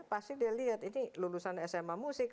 pasti dia lihat ini lulusan sma musik